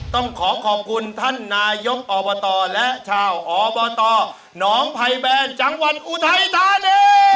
ต้องขอขอบคุณท่านนายกออบอตอและชาวออบอตอนองค์ไพแบงส์จังหวันอุทัยธานี